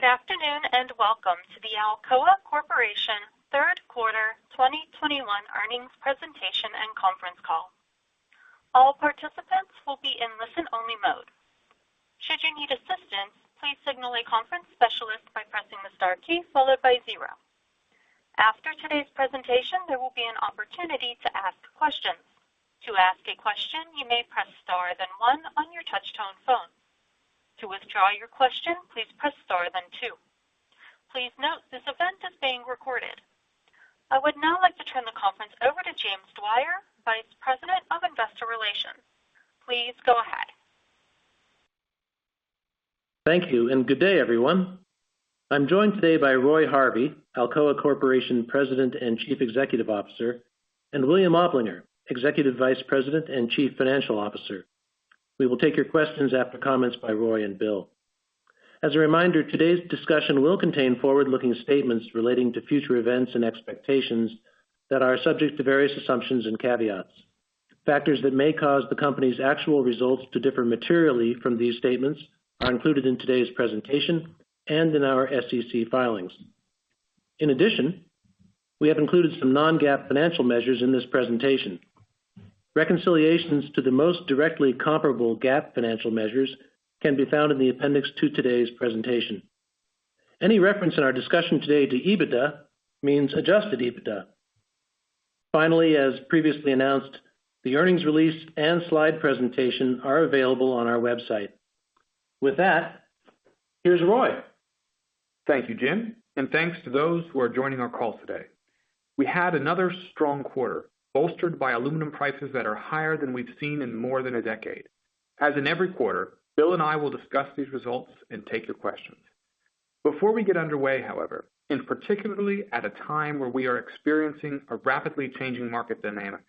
Good afternoon, and welcome to the Alcoa Corporation third quarter 2021 earnings presentation and conference call. All participants will be in listen-only mode. Should you need assistance, please signal a conference specialist by pressing the star key followed by zero. After today's presentation, there will be an opportunity to ask questions. To ask a question, you may press star, then one on your touchtone phone. To withdraw your question, please press star, then two. Please note, this event is being recorded. I would now like to turn the conference over to James Dwyer, Vice President of Investor Relations. Please go ahead. Thank you, and good day, everyone. I'm joined today by Roy Harvey, Alcoa Corporation President and Chief Executive Officer, and William Oplinger, Executive Vice President and Chief Financial Officer. We will take your questions after comments by Roy and Bill. As a reminder, today's discussion will contain forward-looking statements relating to future events and expectations that are subject to various assumptions and caveats. Factors that may cause the company's actual results to differ materially from these statements are included in today's presentation and in our SEC filings. In addition, we have included some non-GAAP financial measures in this presentation. Reconciliations to the most directly comparable GAAP financial measures can be found in the appendix to today's presentation. Any reference in our discussion today to EBITDA means adjusted EBITDA. Finally, as previously announced, the earnings release and slide presentation are available on our website. With that, here's Roy. Thank you, Jim, and thanks to those who are joining our call today. We had another strong quarter, bolstered by aluminum prices that are higher than we've seen in more than a decade. As in every quarter, Bill and I will discuss these results and take your questions. Before we get underway, however, and particularly at a time where we are experiencing a rapidly changing market dynamic,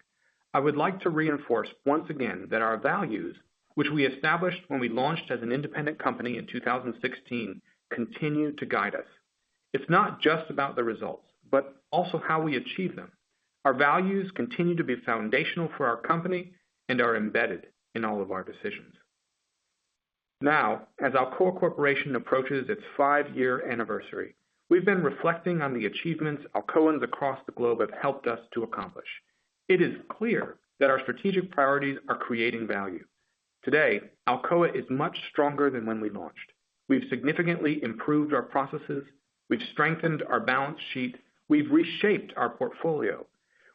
I would like to reinforce once again that our values, which we established when we launched as an independent company in 2016, continue to guide us. It's not just about the results, but also how we achieve them. Our values continue to be foundational for our company and are embedded in all of our decisions. As Alcoa Corporation approaches its 5-year anniversary, we've been reflecting on the achievements Alcoans across the globe have helped us to accomplish. It is clear that our strategic priorities are creating value. Today, Alcoa is much stronger than when we launched. We've significantly improved our processes. We've strengthened our balance sheet. We've reshaped our portfolio.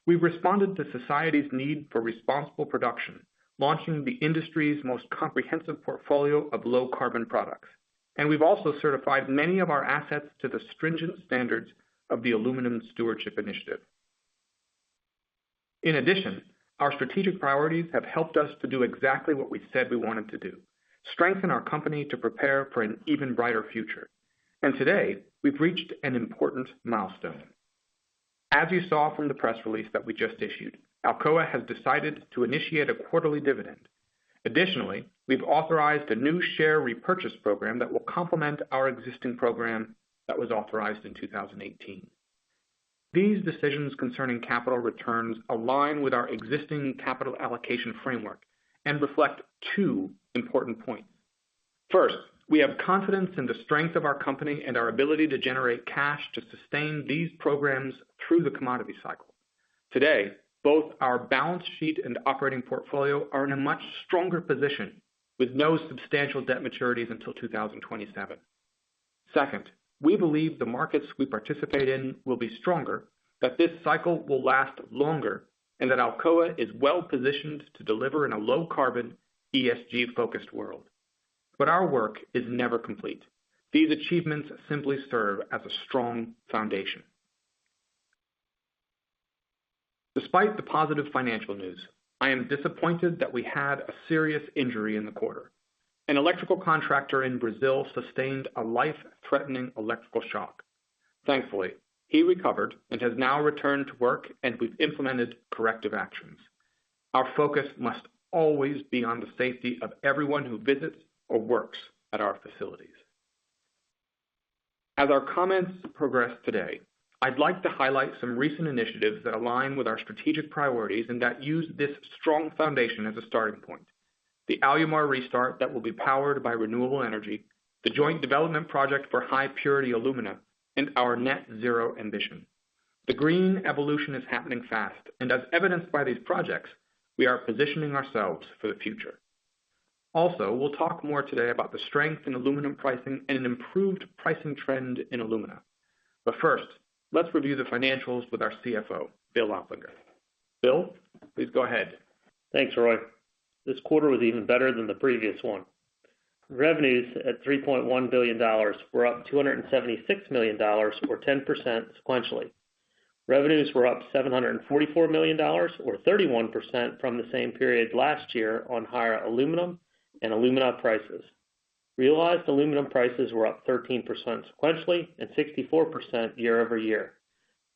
We've responded to society's need for responsible production, launching the industry's most comprehensive portfolio of low-carbon products. We've also certified many of our assets to the stringent standards of the Aluminium Stewardship Initiative. In addition, our strategic priorities have helped us to do exactly what we said we wanted to do: strengthen our company to prepare for an even brighter future. Today, we've reached an important milestone. As you saw from the press release that we just issued, Alcoa has decided to initiate a quarterly dividend. Additionally, we've authorized a new share repurchase program that will complement our existing program that was authorized in 2018. These decisions concerning capital returns align with our existing capital allocation framework and reflect two important points. First, we have confidence in the strength of our company and our ability to generate cash to sustain these programs through the commodity cycle. Today, both our balance sheet and operating portfolio are in a much stronger position with no substantial debt maturities until 2027. Second, we believe the markets we participate in will be stronger, that this cycle will last longer, and that Alcoa is well-positioned to deliver in a low-carbon, ESG-focused world. Our work is never complete. These achievements simply serve as a strong foundation. Despite the positive financial news, I am disappointed that we had a serious injury in the quarter. An electrical contractor in Brazil sustained a life-threatening electrical shock. Thankfully, he recovered and has now returned to work, and we've implemented corrective actions. Our focus must always be on the safety of everyone who visits or works at our facilities. As our comments progress today, I'd like to highlight some recent initiatives that align with our strategic priorities and that use this strong foundation as a starting point. The Alumar restart that will be powered by renewable energy, the joint development project for high-purity alumina, and our net zero ambition. The green evolution is happening fast. As evidenced by these projects, we are positioning ourselves for the future. Also, we'll talk more today about the strength in aluminum pricing and an improved pricing trend in alumina. First, let's review the financials with our CFO, Bill Oplinger. Bill, please go ahead. Thanks, Roy. This quarter was even better than the previous one. Revenues at $3.1 billion were up $276 million or 10% sequentially. Revenues were up $744 million or 31% from the same period last year on higher aluminum and alumina prices. Realized aluminum prices were up 13% sequentially and 64% year-over-year.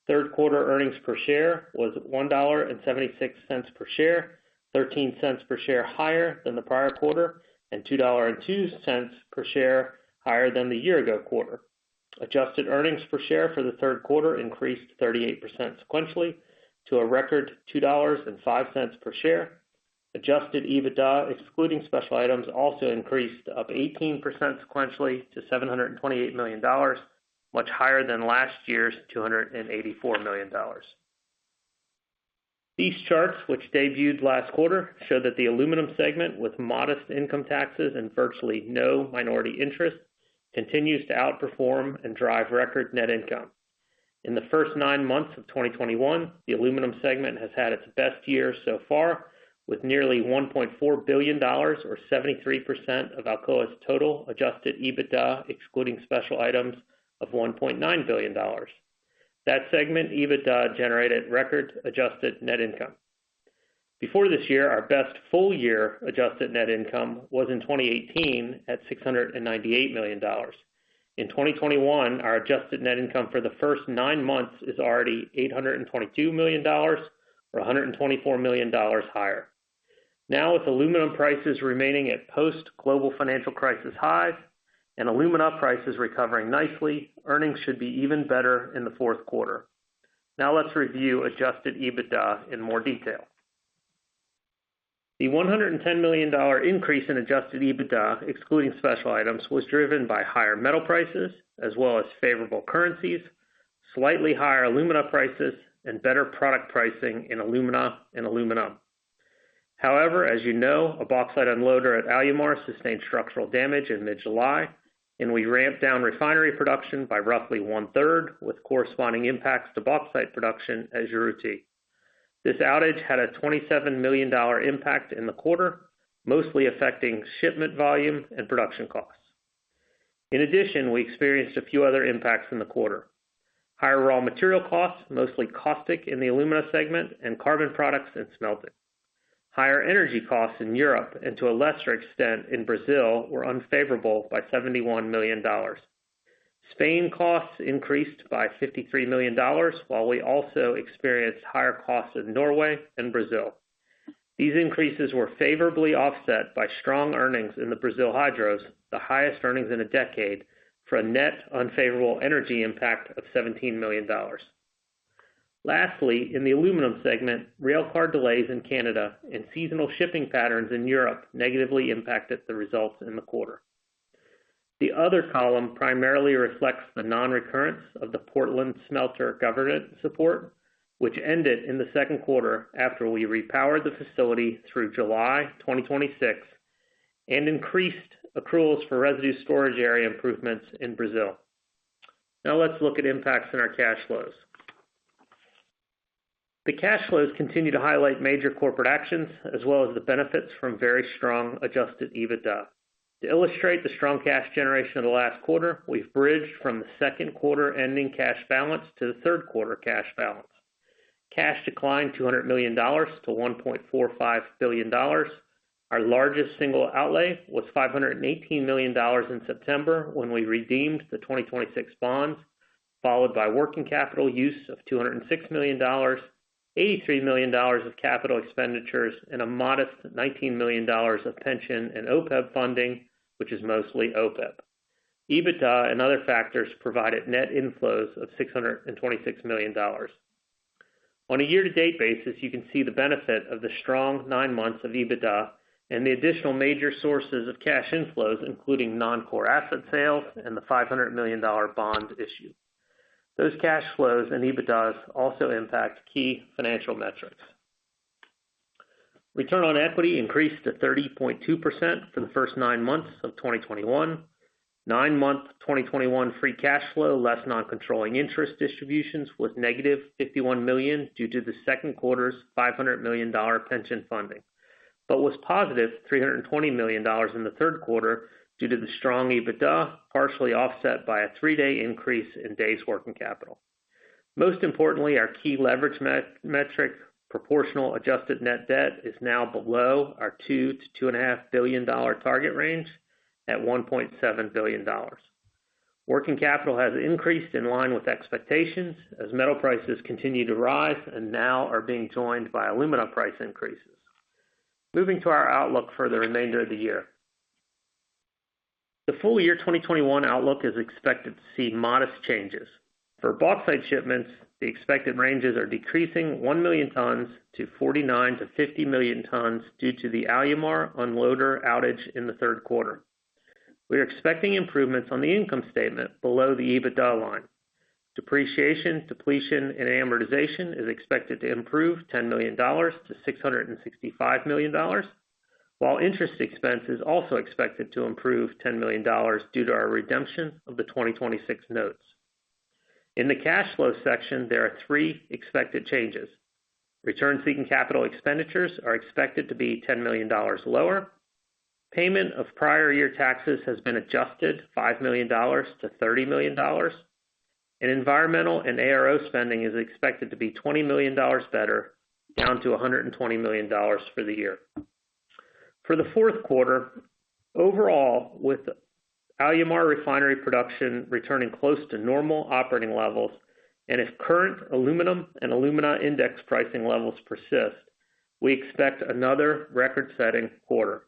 Third quarter earnings per share was $1.76 per share, $0.13 per share higher than the prior quarter, and $2.02 per share higher than the year-ago quarter. Adjusted earnings per share for the third quarter increased 38% sequentially to a record $2.05 per share. Adjusted EBITDA, excluding special items, also increased up 18% sequentially to $728 million, much higher than last year's $284 million. These charts, which debuted last quarter, show that the aluminum segment with modest income taxes and virtually no minority interest, continues to outperform and drive record net income. In the first nine months of 2021, the aluminum segment has had its best year so far, with nearly $1.4 billion or 73% of Alcoa's total adjusted EBITDA, excluding special items of $1.9 billion. That segment EBITDA generated record-adjusted net income. Before this year, our best full-year adjusted net income was in 2018 at $698 million. In 2021, our adjusted net income for the first nine months is already $822 million or $124 million higher. With aluminum prices remaining at post-global financial crisis highs and alumina prices recovering nicely, earnings should be even better in the fourth quarter. Let's review adjusted EBITDA in more detail. The $110 million increase in adjusted EBITDA, excluding special items, was driven by higher metal prices as well as favorable currencies, slightly higher alumina prices, and better product pricing in alumina and aluminum. As you know, a bauxite unloader at Alumar sustained structural damage in mid-July, and we ramped down refinery production by roughly one-third, with corresponding impacts to bauxite production as per routine. This outage had a $27 million impact in the quarter, mostly affecting shipment volume and production costs. In addition, we experienced a few other impacts in the quarter. Higher raw material costs, mostly caustic in the alumina segment, and carbon products and smelting. Higher energy costs in Europe, and to a lesser extent in Brazil, were unfavorable by $71 million. Spain costs increased by $53 million, while we also experienced higher costs in Norway and Brazil. These increases were favorably offset by strong earnings in the Brazil Hydros, the highest earnings in a decade, for a net unfavorable energy impact of $17 million. Lastly, in the aluminum segment, railcar delays in Canada and seasonal shipping patterns in Europe negatively impacted the results in the quarter. The other column primarily reflects the non-recurrence of the Portland smelter government support, which ended in the second quarter after we repowered the facility through July 2026 and increased accruals for residue storage area improvements in Brazil. Let's look at impacts on our cash flows. The cash flows continue to highlight major corporate actions as well as the benefits from very strong adjusted EBITDA. To illustrate the strong cash generation in the last quarter, we've bridged from the second quarter ending cash balance to the third quarter cash balance. Cash declined $200 million to $1.45 billion. Our largest single outlay was $518 million in September when we redeemed the 2026 bonds, followed by working capital use of $206 million, $83 million of capital expenditures, and a modest $19 million of pension and OPEB funding, which is mostly OPEB. EBITDA and other factors provided net inflows of $626 million. On a year-to-date basis, you can see the benefit of the strong nine months of EBITDA and the additional major sources of cash inflows, including non-core asset sales and the $500 million bond issue. Those cash flows and EBITDA also impact key financial metrics. Return on equity increased to 30.2% for the first nine months of 2021. Nine-month 2021 free cash flow, less non-controlling interest distributions was -$51 million due to the second quarter's $500 million pension funding. Was positive $320 million in the third quarter due to the strong EBITDA, partially offset by a three-day increase in days' working capital. Most importantly, our key leverage metric, proportional adjusted net debt, is now below our $2 billion-$2.5 billion target range at $1.7 billion. Working capital has increased in line with expectations as metal prices continue to rise and now are being joined by alumina price increases. Moving to our outlook for the remainder of the year. The full-year 2021 outlook is expected to see modest changes. For bauxite shipments, the expected ranges are decreasing 1 million tons to 49 million-50 million tons due to the Alumar unloader outage in the third quarter. We are expecting improvements on the income statement below the EBITDA line. Depreciation, depletion, and amortization is expected to improve $10 million to $665 million, while interest expense is also expected to improve $10 million due to our redemption of the 2026 notes. In the cash flow section, there are three expected changes. Return-seeking capital expenditures are expected to be $10 million lower. Payment of prior year taxes has been adjusted $5 million to $30 million, and environmental and ARO spending is expected to be $20 million better, down to $120 million for the year. For the fourth quarter, overall, with Alumar refinery production returning close to normal operating levels, and if current aluminum and alumina index pricing levels persist, we expect another record-setting quarter.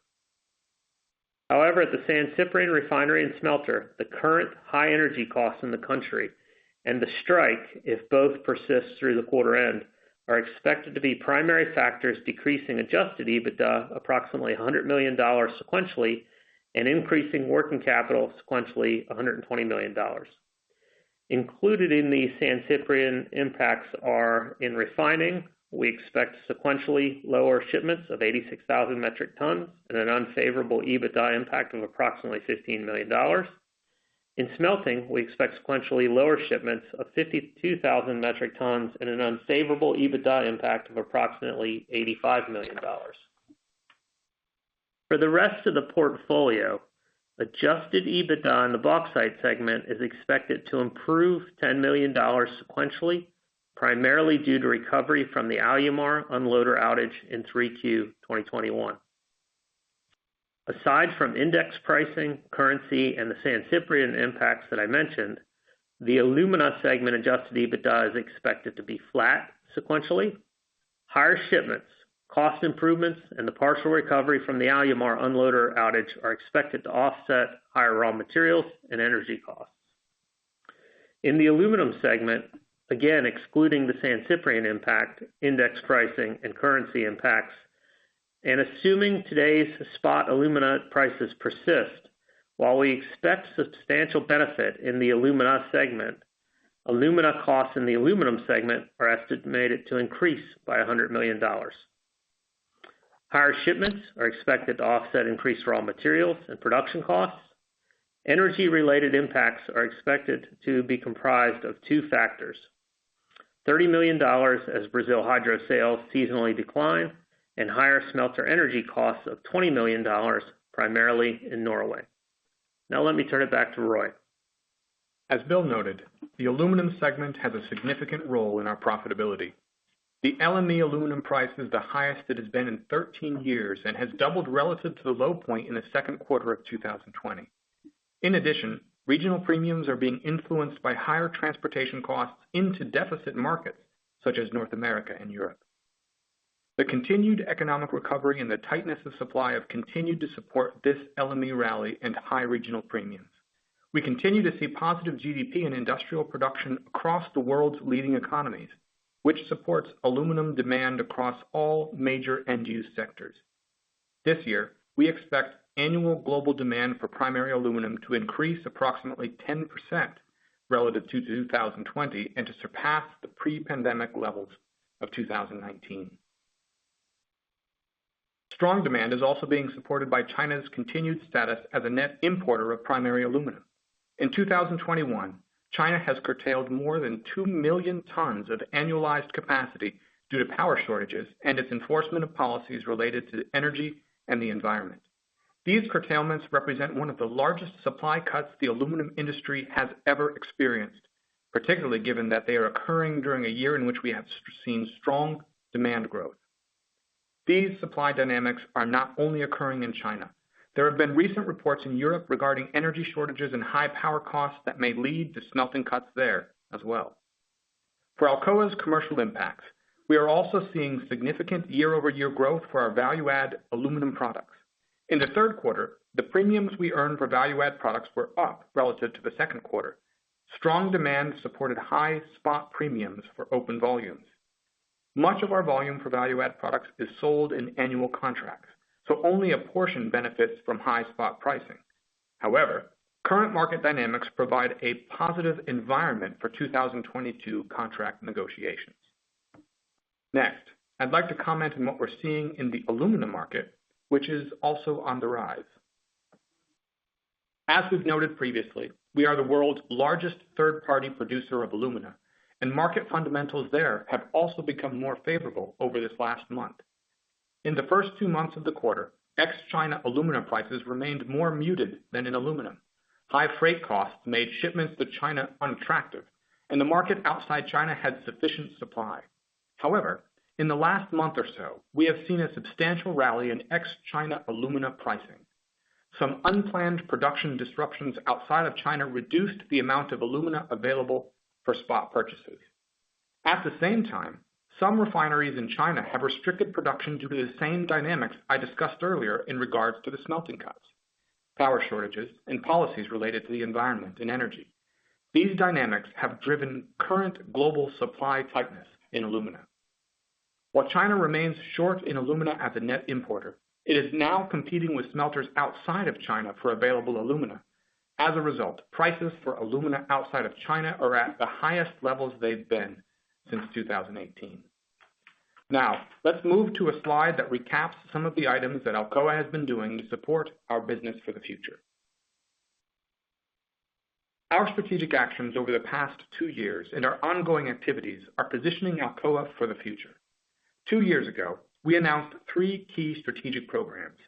At the San Ciprián refinery and smelter, the current high energy costs in the country and the strike, if both persist through the quarter end, are expected to be primary factors decreasing adjusted EBITDA approximately $100 million sequentially and increasing working capital sequentially $120 million. Included in the San Ciprián impacts are in refining, we expect sequentially lower shipments of 86,000 metric tons and an unfavorable EBITDA impact of approximately $15 million. In smelting, we expect sequentially lower shipments of 52,000 metric tons and an unfavorable EBITDA impact of approximately $85 million. For the rest of the portfolio, adjusted EBITDA in the bauxite segment is expected to improve $10 million sequentially, primarily due to recovery from the Alumar unloader outage in Q3 2021. Aside from index pricing, currency, and the San Ciprián impacts that I mentioned, the alumina segment adjusted EBITDA is expected to be flat sequentially. Higher shipments, cost improvements, and the partial recovery from the Alumar unloader outage are expected to offset higher raw materials and energy costs. In the aluminum segment, again, excluding the San Ciprián impact, index pricing, and currency impacts, and assuming today's spot alumina prices persist, while we expect substantial benefit in the alumina segment, alumina costs in the aluminum segment are estimated to increase by $100 million. Higher shipments are expected to offset increased raw materials and production costs. Energy-related impacts are expected to be comprised of two factors: $30 million as Brazil Hydros sales seasonally decline, and higher smelter energy costs of $20 million, primarily in Norway. Let me turn it back to Roy. As Bill noted, the aluminum segment has a significant role in our profitability. The LME aluminum price is the highest it has been in 13 years and has doubled relative to the low point in the second quarter of 2020. In addition, regional premiums are being influenced by higher transportation costs into deficit markets such as North America and Europe. The continued economic recovery and the tightness of supply have continued to support this LME rally and high regional premiums. We continue to see positive GDP and industrial production across the world's leading economies, which supports aluminum demand across all major end-use sectors. This year, we expect annual global demand for primary aluminum to increase approximately 10% relative to 2020 and to surpass the pre-pandemic levels of 2019. Strong demand is also being supported by China's continued status as a net importer of primary aluminum. In 2021, China has curtailed more than two million tons of annualized capacity due to power shortages and its enforcement of policies related to energy and the environment. These curtailments represent one of the largest supply cuts the aluminum industry has ever experienced, particularly given that they are occurring during a year in which we have seen strong demand growth. These supply dynamics are not only occurring in China. There have been recent reports in Europe regarding energy shortages and high power costs that may lead to smelting cuts there as well. For Alcoa's commercial impact, we are also seeing significant year-over-year growth for our value-add aluminum products. In the third quarter, the premiums we earned for value-add products were up relative to the second quarter. Strong demand supported high spot premiums for open volumes. Much of our volume for value-add products is sold in annual contracts, so only a portion benefits from high spot pricing. However, current market dynamics provide a positive environment for 2022 contract negotiations. Next, I'd like to comment on what we're seeing in the alumina market, which is also on the rise. As we've noted previously, we are the world's largest third-party producer of alumina, and market fundamentals there have also become more favorable over this last month. In the first two months of the quarter, ex-China alumina prices remained more muted than in aluminum. High freight costs made shipments to China unattractive, and the market outside China had sufficient supply. However, in the last month or so, we have seen a substantial rally in ex-China alumina pricing. Some unplanned production disruptions outside of China reduced the amount of alumina available for spot purchases. Some refineries in China have restricted production due to the same dynamics I discussed earlier in regards to the smelting cuts, power shortages, and policies related to the environment and energy. These dynamics have driven current global supply tightness in alumina. While China remains short in alumina as a net importer, it is now competing with smelters outside of China for available alumina. Prices for alumina outside of China are at the highest levels they've been since 2018. Let's move to a slide that recaps some of the items that Alcoa has been doing to support our business for the future. Our strategic actions over the past two years and our ongoing activities are positioning Alcoa for the future. Two years ago, we announced three key strategic programs,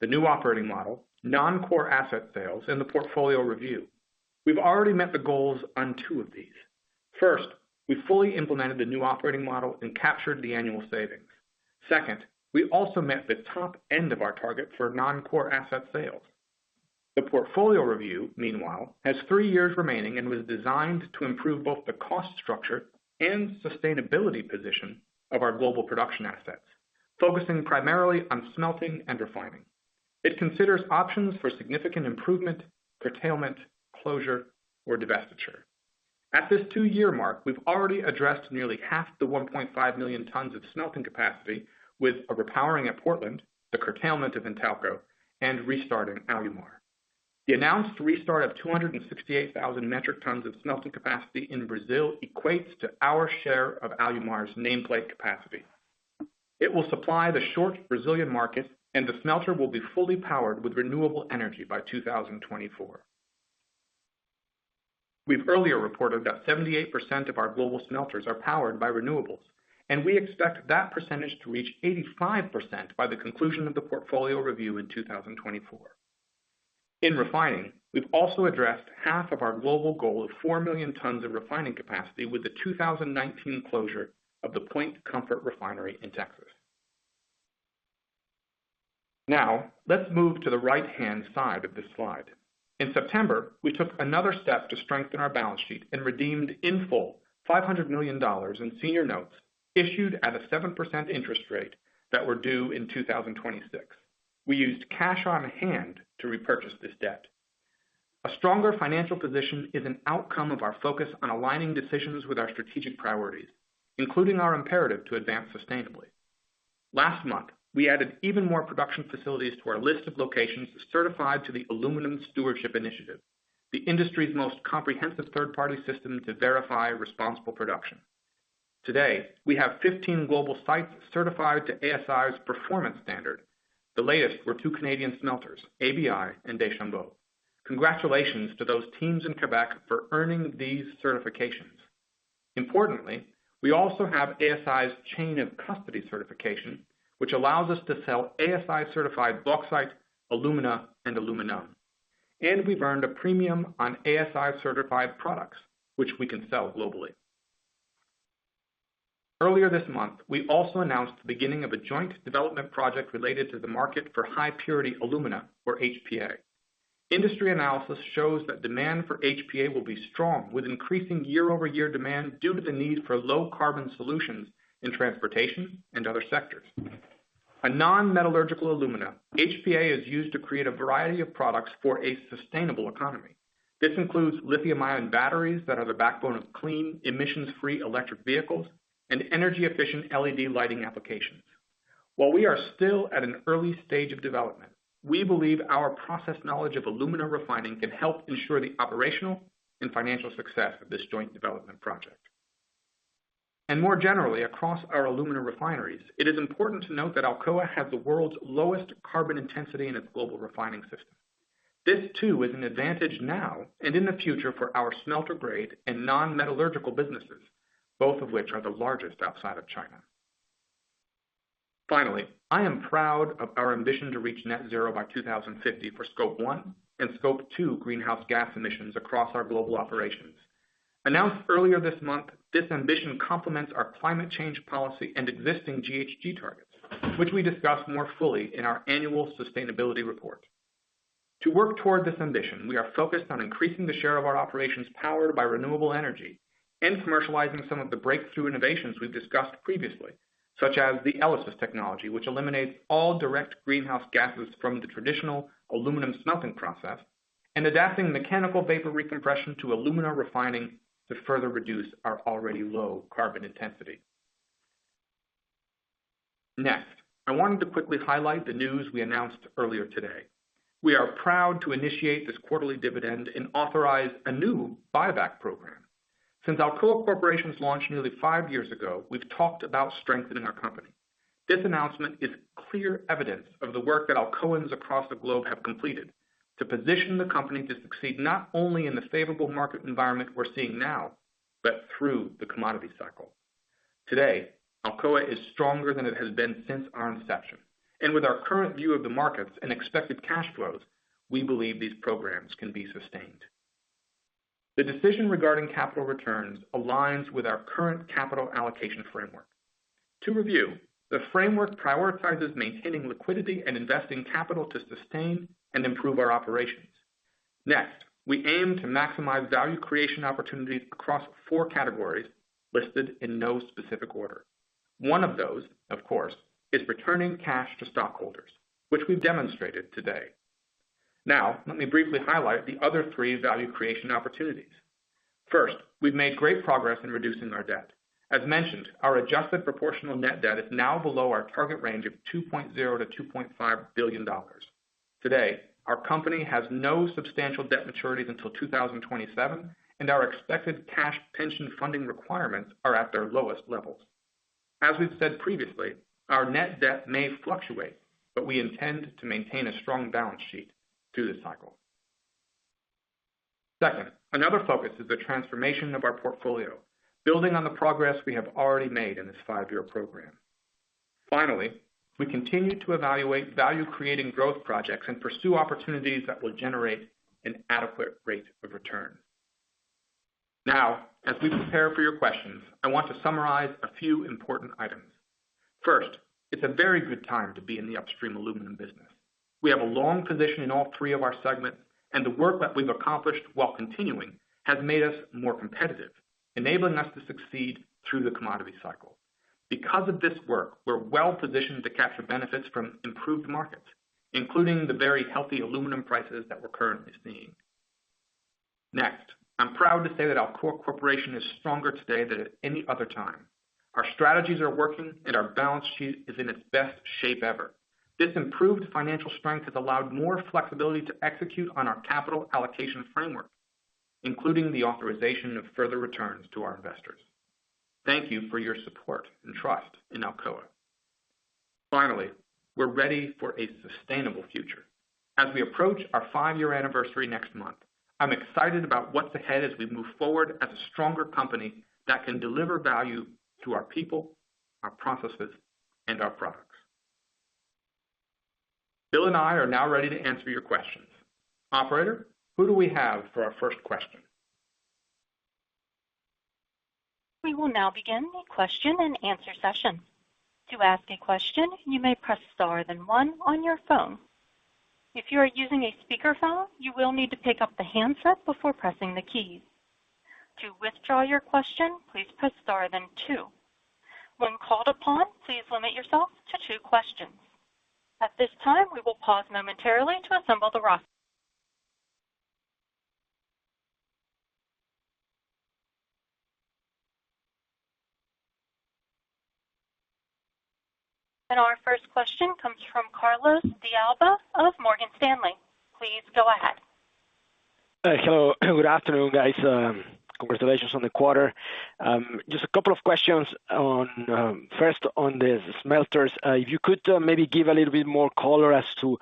the New Operating Model, Non-Core Asset Sales, and the Portfolio Review. We've already met the goals on two of these. First, we fully implemented the new operating model and captured the annual savings. Second, we also met the top end of our target for non-core asset sales. The portfolio review, meanwhile, has three years remaining and was designed to improve both the cost structure and sustainability position of our global production assets, focusing primarily on smelting and refining. It considers options for significant improvement, curtailment, closure, or divestiture. At this two-year mark, we've already addressed nearly half the 1.5 million tons of smelting capacity with repowering at Portland, the curtailment of Intalco, and restarting Alumar. The announced restart of 268,000 metric tons of smelting capacity in Brazil equates to our share of Alumar's nameplate capacity. It will supply the short Brazilian market, and the smelter will be fully powered with renewable energy by 2024. We've earlier reported that 78% of our global smelters are powered by renewables, and we expect that percentage to reach 85% by the conclusion of the portfolio review in 2024. In refining, we've also addressed half of our global goal of four million tons of refining capacity with the 2019 closure of the Point Comfort refinery in Texas. Let's move to the right-hand side of this slide. In September, we took another step to strengthen our balance sheet and redeemed in full $500 million in senior notes issued at a 7% interest rate that were due in 2026. We used cash on hand to repurchase this debt. A stronger financial position is an outcome of our focus on aligning decisions with our strategic priorities, including our imperative to advance sustainably. Last month, we added even more production facilities to our list of locations certified to the Aluminium Stewardship Initiative, the industry's most comprehensive third-party system to verify responsible production. Today, we have 15 global sites certified to ASI's performance standard. The latest were two Canadian smelters, ABI and Deschambault. Congratulations to those teams in Quebec for earning these certifications. Importantly, we also have ASI's chain-of-custody certification, which allows us to sell ASI-certified bauxite, alumina, and aluminum. We've earned a premium on ASI-certified products, which we can sell globally. Earlier this month, we also announced the beginning of a joint development project related to the market for high-purity alumina, or HPA. Industry analysis shows that demand for HPA will be strong, with increasing year-over-year demand due to the need for low-carbon solutions in transportation and other sectors. A non-metallurgical alumina, HPA is used to create a variety of products for a sustainable economy. This includes lithium-ion batteries that are the backbone of clean, emissions-free electric vehicles and energy-efficient LED lighting applications. While we are still at an early stage of development, we believe our process knowledge of alumina refining can help ensure the operational and financial success of this joint development project. More generally, across our alumina refineries, it is important to note that Alcoa has the world's lowest carbon intensity in its global refining system. This, too, is an advantage now and in the future for our smelter grade and non-metallurgical businesses, both of which are the largest outside of China. Finally, I am proud of our ambition to reach net zero by 2050 for Scope 1 and Scope 2 greenhouse gas emissions across our global operations. Announced earlier this month, this ambition complements our climate change policy and existing GHG targets, which we discuss more fully in our annual sustainability report. To work toward this ambition, we are focused on increasing the share of our operations powered by renewable energy and commercializing some of the breakthrough innovations we've discussed previously, such as the ELYSIS technology, which eliminates all direct greenhouse gases from the traditional aluminum smelting process and adapting mechanical vapor recompression to alumina refining to further reduce our already low carbon intensity. Next, I wanted to quickly highlight the news we announced earlier today. We are proud to initiate this quarterly dividend and authorize a new buyback program. Since Alcoa Corporation's launch nearly five years ago, we've talked about strengthening our company. This announcement is clear evidence of the work that Alcoans across the globe have completed to position the company to succeed not only in the favorable market environment we're seeing now, but through the commodity cycle. Today, Alcoa is stronger than it has been since our inception. With our current view of the markets and expected cash flows, we believe these programs can be sustained. The decision regarding capital returns aligns with our current capital allocation framework. To review, the framework prioritizes maintaining liquidity and investing capital to sustain and improve our operations. Next, we aim to maximize value creation opportunities across four categories listed in no specific order. One of those, of course, is returning cash to stockholders, which we've demonstrated today. Now, let me briefly highlight the other three value creation opportunities. First, we've made great progress in reducing our debt. As mentioned, our adjusted proportional net debt is now below our target range of $2.0 billion-$2.5 billion. Today, our company has no substantial debt maturities until 2027, and our expected cash pension funding requirements are at their lowest levels. As we've said previously, our net debt may fluctuate, but we intend to maintain a strong balance sheet through this cycle. Second, another focus is the transformation of our portfolio, building on the progress we have already made in this five-year program. Finally, we continue to evaluate value-creating growth projects and pursue opportunities that will generate an adequate rate of return. Now, as we prepare for your questions, I want to summarize a few important items. First, it's a very good time to be in the upstream aluminum business. We have a long position in all three of our segments, and the work that we've accomplished while continuing has made us more competitive, enabling us to succeed through the commodity cycle. Because of this work, we're well-positioned to capture benefits from improved markets, including the very healthy aluminum prices that we're currently seeing. Next, I'm proud to say that our corporation is stronger today than at any other time. Our strategies are working, and our balance sheet is in its best shape ever. This improved financial strength has allowed more flexibility to execute on our capital allocation framework, including the authorization of further returns to our investors. Thank you for your support and trust in Alcoa. Finally, we're ready for a sustainable future. As we approach our five-year anniversary next month, I'm excited about what's ahead as we move forward as a stronger company that can deliver value to our people, our processes, and our products. Bill and I are now ready to answer your questions. Operator, who do we have for our first question? We will now begin the question and answer session. To ask a question, you may press star then one on your phone. If you are using a speakerphone, you will need to pick up the handset before pressing the key. To withdraw your question, please press star then two. When called upon, please limit yourself to two questions. At this time, we will pause momentarily to assemble the roster. Our first question comes from Carlos De Alba of Morgan Stanley. Please go ahead. Hello. Good afternoon, guys. Congratulations on the quarter. Just a couple of questions. First, on the smelters, if you could maybe give a little bit more color as to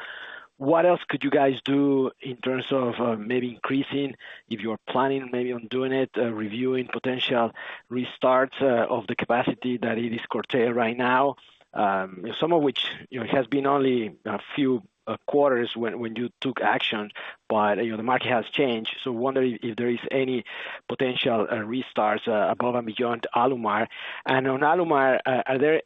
what else could you guys do in terms of maybe increasing, if you're planning maybe on doing it, reviewing potential restarts of the capacity that it is curtailed right now. Some of which has been only a few quarters when you took action, but the market has changed. Wondering if there is any potential restarts above and beyond Alumar. On Alumar,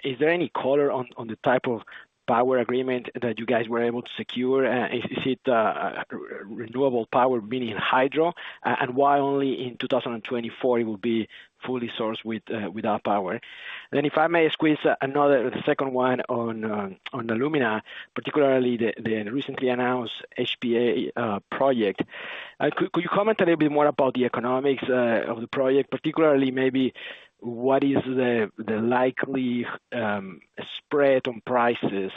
is there any color on the type of power agreement that you guys were able to secure? Is it renewable power, meaning hydro, and why only in 2024 it will be fully sourced with that power? If I may squeeze another, the second one on alumina, particularly the recently announced HPA project. Could you comment a little bit more about the economics of the project, particularly maybe what is the likely spread on prices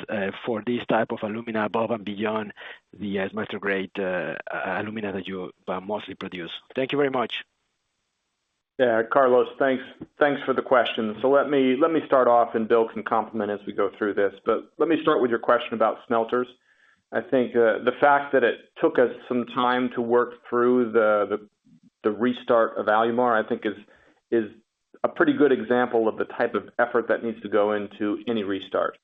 for this type of alumina above and beyond the smelter-grade alumina that you mostly produce? Thank you very much. Yeah, Carlos. Thanks for the question. Let me start off, and Bill can complement as we go through this. Let me start with your question about smelters. I think, the fact that it took us some time to work through the restart of Alumar, I think is a pretty good example of the type of effort that needs to go into any restart.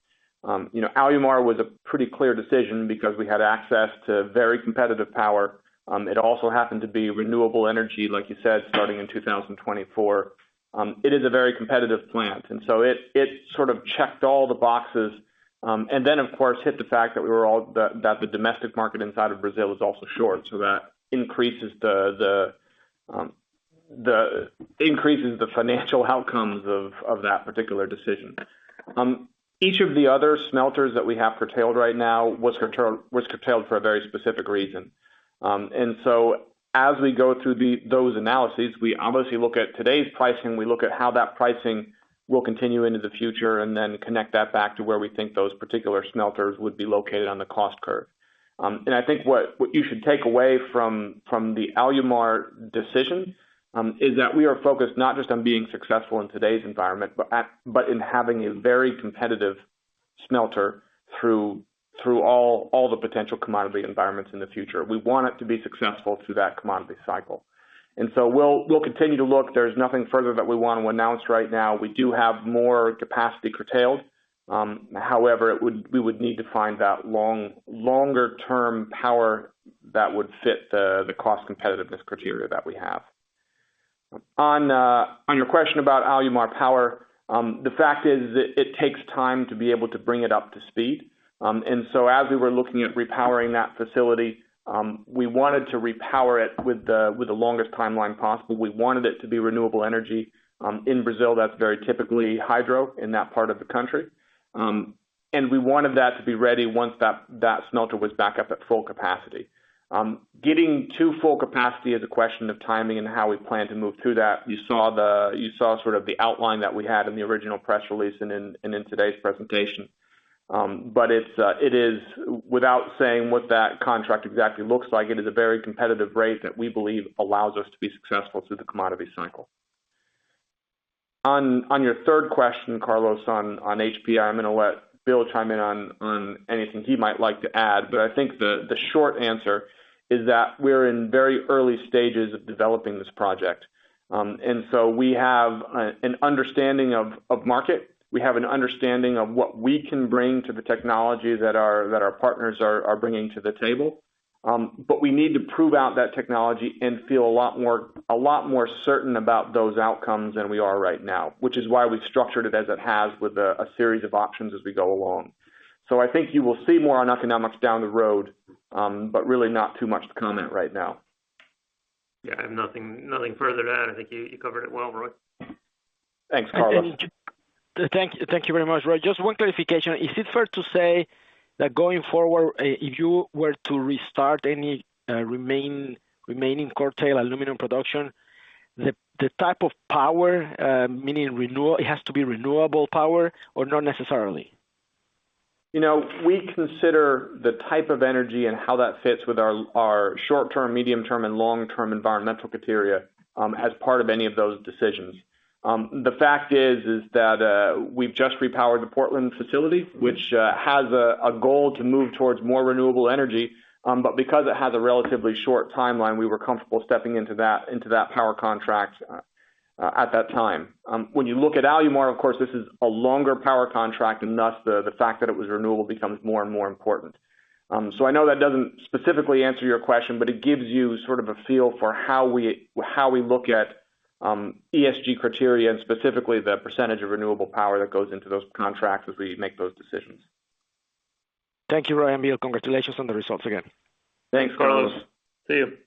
Alumar was a pretty clear decision because we had access to very competitive power. It also happened to be renewable energy, like you said, starting in 2024. It is a very competitive plant, it sort of checked all the boxes. Of course, hit the fact that the domestic market inside of Brazil is also short, so that increases the financial outcomes of that particular decision. Each of the other smelters that we have curtailed right now was curtailed for a very specific reason. As we go through those analyses, we obviously look at today's pricing, we look at how that pricing will continue into the future, connect that back to where we think those particular smelters would be located on the cost curve. I think what you should take away from the Alumar decision, is that we are focused not just on being successful in today's environment, but in having a very competitive smelter through all the potential commodity environments in the future. We want it to be successful through that commodity cycle. We'll continue to look. There's nothing further that we want to announce right now. We do have more capacity curtailed. We would need to find that longer-term power that would fit the cost competitiveness criteria that we have. On your question about Alumar power, the fact is that it takes time to be able to bring it up to speed. As we were looking at repowering that facility, we wanted to repower it with the longest timeline possible. We wanted it to be renewable energy. In Brazil, that's very typically hydro in that part of the country. We wanted that to be ready once that smelter was back up at full capacity. Getting to full capacity is a question of timing and how we plan to move through that. You saw sort of the outline that we had in the original press release and in today's presentation. It is, without saying what that contract exactly looks like, it is a very competitive rate that we believe allows us to be successful through the commodity cycle. On your third question, Carlos, on HPA, I'm going to let Bill chime in on anything he might like to add, but I think the short answer is that we're in very early stages of developing this project. We have an understanding of market. We have an understanding of what we can bring to the technology that our partners are bringing to the table. We need to prove out that technology and feel a lot more certain about those outcomes than we are right now, which is why we've structured it as it has with a series of options as we go along. I think you will see more on economics down the road, but really not too much to comment right now. I have nothing further to add. I think you covered it well, Roy. Thanks, Carlos. Thank you very much, Roy. Just one clarification, is it fair to say that going forward, if you were to restart any remaining curtail aluminum production, the type of power, meaning it has to be renewable power, or not necessarily? We consider the type of energy and how that fits with our short-term, medium-term, and long-term environmental criteria as part of any of those decisions. The fact is, is that we've just repowered the Portland facility, which has a goal to move towards more renewable energy. Because it has a relatively short timeline, we were comfortable stepping into that power contract at that time. When you look at Alumar, of course, this is a longer power contract, and thus the fact that it was renewable becomes more and more important. I know that doesn't specifically answer your question, but it gives you sort of a feel for how we look at ESG criteria and specifically the percentage of renewable power that goes into those contracts as we make those decisions. Thank you, Roy and Bill. Congratulations on the results again. Thanks, Carlos. See you.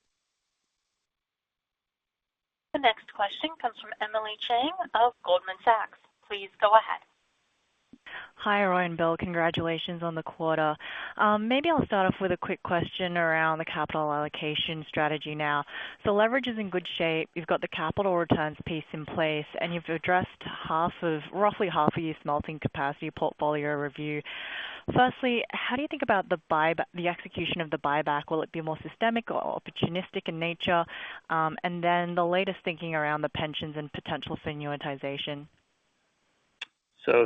The next question comes from Emily Chieng of Goldman Sachs. Please go ahead. Hi, Roy and Bill. Congratulations on the quarter. I'll start off with a quick question around the capital allocation strategy now. Leverage is in good shape. You've got the capital returns piece in place, and you've addressed roughly half of your smelting capacity portfolio review. Firstly, how do you think about the execution of the buyback? Will it be more systemic or opportunistic in nature? The latest thinking around the pensions and potential annuitization.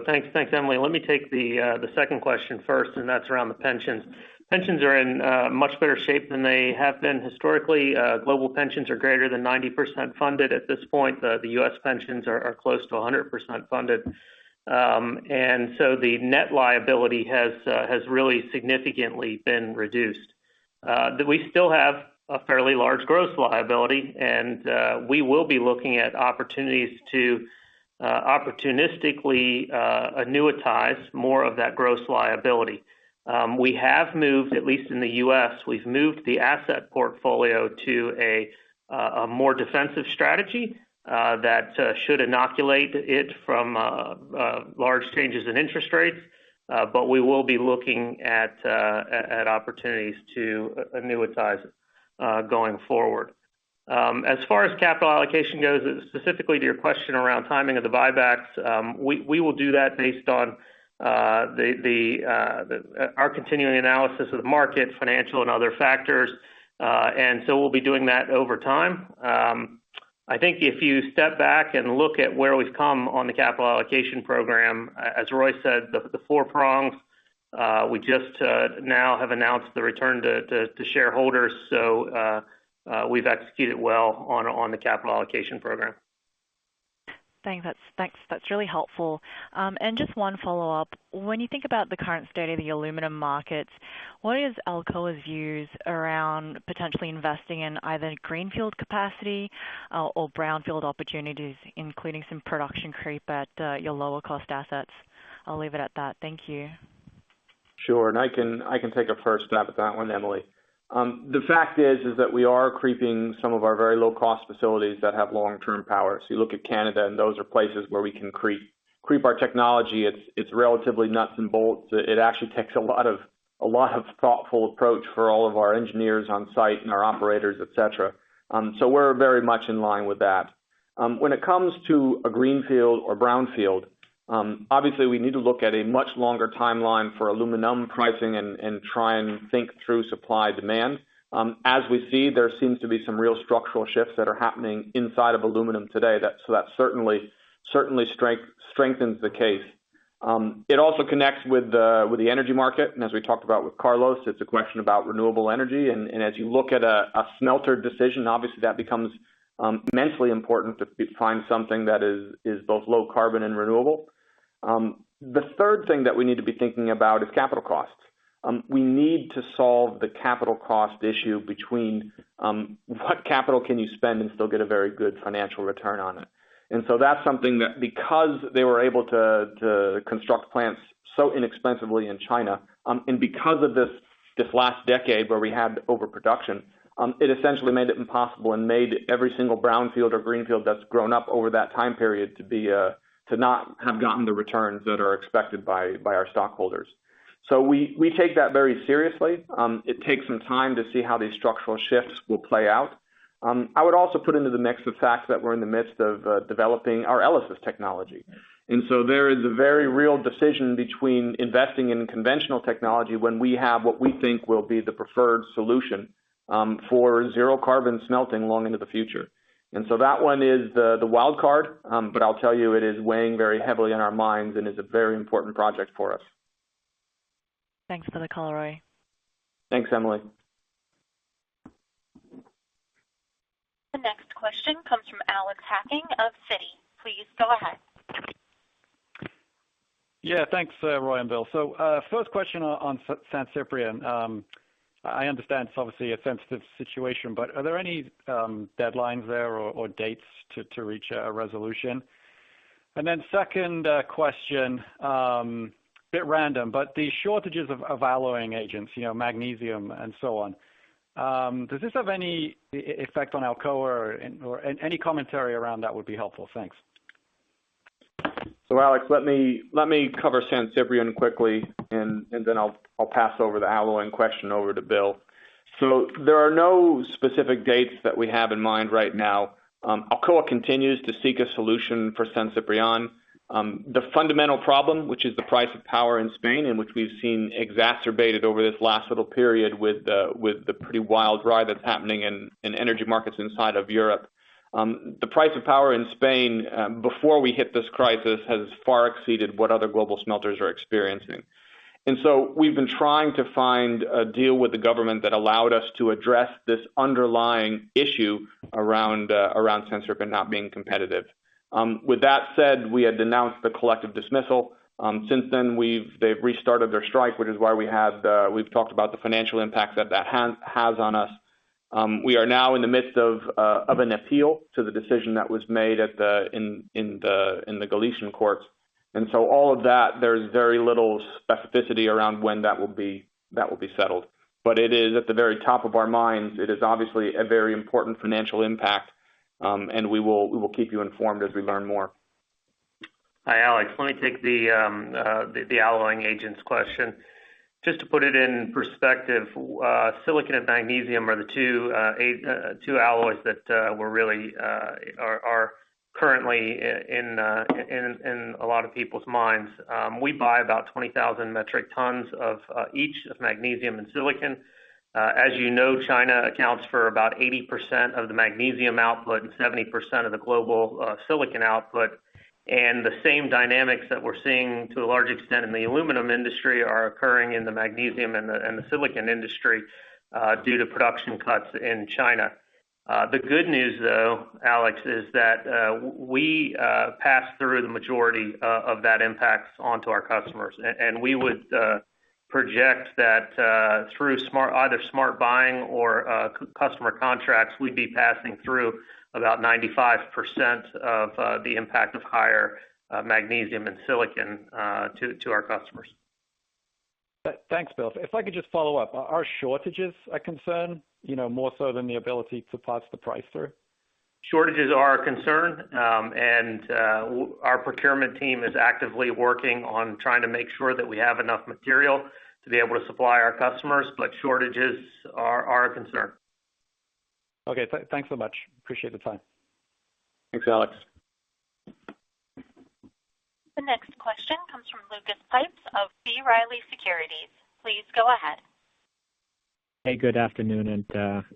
Thanks, Emily. Let me take the second question first, and that's around the pensions. Pensions are in much better shape than they have been historically. Global pensions are greater than 90% funded at this point. The U.S. pensions are close to 100% funded. The net liability has really significantly been reduced. We still have a fairly large gross liability, and we will be looking at opportunities to opportunistically annuitize more of that gross liability. We have moved, at least in the U.S., we've moved the asset portfolio to a more defensive strategy that should inoculate it from large changes in interest rates. We will be looking at opportunities to annuitize going forward. As far as capital allocation goes, specifically to your question around timing of the buybacks, we will do that based on our continuing analysis of the market, financial and other factors. We'll be doing that over time. I think if you step back and look at where we've come on the capital allocation program, as Roy said, the four prongs, we just now have announced the return to shareholders. We've executed well on the capital allocation program. Thanks. That's really helpful. Just one follow-up. When you think about the current state of the aluminum markets, what is Alcoa's views around potentially investing in either greenfield capacity or brownfield opportunities, including some production creep at your lower cost assets? I'll leave it at that. Thank you. Sure. I can take a first stab at that one, Emily. The fact is that we are creeping some of our very low-cost facilities that have long-term power. You look at Canada, and those are places where we can creep our technology. It's relatively nuts and bolts. It actually takes a lot of thoughtful approach for all of our engineers on site and our operators, et cetera. We're very much in line with that. When it comes to a greenfield or brownfield, obviously, we need to look at a much longer timeline for aluminum pricing and try and think through supply-demand. As we see, there seems to be some real structural shifts that are happening inside of aluminum today. That certainly strengthens the case. It also connects with the energy market. As we talked about with Carlos, it's a question about renewable energy. As you look at a smelter decision, obviously, that becomes immensely important to find something that is both low carbon and renewable. The third thing that we need to be thinking about is capital costs. We need to solve the capital cost issue between what capital can you spend and still get a very good financial return on it. That's something that because they were able to construct plants so inexpensively in China, and because of this last decade where we had overproduction, it essentially made it impossible and made every single brownfield or greenfield that's grown up over that time period to not have gotten the returns that are expected by our stockholders. We take that very seriously. It takes some time to see how these structural shifts will play out. I would also put into the mix the fact that we're in the midst of developing our ELYSIS technology. There is a very real decision between investing in conventional technology when we have what we think will be the preferred solution for zero carbon smelting long into the future. That one is the wild card. I'll tell you, it is weighing very heavily on our minds and is a very important project for us. Thanks for the call, Roy. Thanks, Emily. The next question comes from Alex Hacking of Citi. Please go ahead. Yeah. Thanks, Roy and Bill. First question on San Ciprián. I understand it's obviously a sensitive situation, but are there any deadlines there or dates to reach a resolution? Second question, a bit random, but the shortages of alloying agents, magnesium and so on. Does this have any effect on Alcoa, or any commentary around that would be helpful. Thanks. Alex, let me cover San Ciprián quickly, and then I'll pass over the alloying question over to Bill. There are no specific dates that we have in mind right now. Alcoa continues to seek a solution for San Ciprián. The fundamental problem, which is the price of power in Spain, and which we've seen exacerbated over this last little period with the pretty wild ride that's happening in energy markets inside of Europe. The price of power in Spain, before we hit this crisis, has far exceeded what other global smelters are experiencing. We've been trying to find a deal with the government that allowed us to address this underlying issue around San Ciprián not being competitive. That said, we had denounced the collective dismissal. Since then, they've restarted their strike, which is why we've talked about the financial impact that has on us. We are now in the midst of an appeal to the decision that was made in the Galician courts. All of that, there's very little specificity around when that will be settled. It is at the very top of our minds. It is obviously a very important financial impact, and we will keep you informed as we learn more. Hi, Alex. Let me take the alloying agents question. Just to put it in perspective, silicon and magnesium are the two alloys that are currently in a lot of people's minds. We buy about 20,000 metric tons of each, of magnesium and silicon. As you know, China accounts for about 80% of the magnesium output and 70% of the global silicon output, and the same dynamics that we're seeing to a large extent in the aluminum industry are occurring in the magnesium and the silicon industry due to production cuts in China. The good news, though, Alex, is that we pass through the majority of that impact onto our customers. We would project that through either smart buying or customer contracts, we'd be passing through about 95% of the impact of higher magnesium and silicon to our customers. Thanks, Bill. If I could just follow up, are shortages a concern, more so than the ability to pass the price through? Shortages are a concern, and our procurement team is actively working on trying to make sure that we have enough material to be able to supply our customers, but shortages are a concern. Okay, thanks so much. Appreciate the time. Thanks, Alex. The next question comes from Lucas Pipes of B. Riley Securities. Please go ahead. Hey, good afternoon.